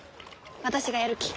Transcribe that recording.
私がやるき。